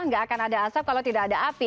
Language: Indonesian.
nggak akan ada asap kalau tidak ada api